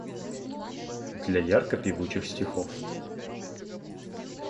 Для ярко певучих стихов